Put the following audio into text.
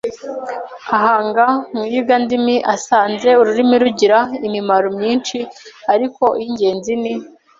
Ahanga mu iyigandimi asanze ururimi rugira imimaro myinshi ariko iy’ingenzi ni